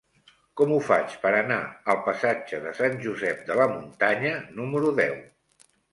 Com ho faig per anar al passatge de Sant Josep de la Muntanya número deu?